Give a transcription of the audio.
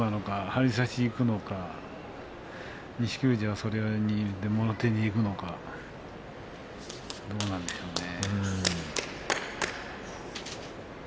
張り差しにいくのか錦富士は、それにもろ手でいくのかどうなんでしょうね。